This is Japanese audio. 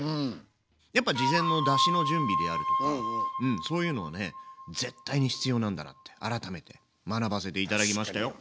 やっぱ事前のだしの準備であるとかうんそういうのをね絶対に必要なんだなって改めて学ばせて頂きましたよ。